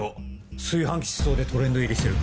「炊飯器失踪」でトレンド入りしてる。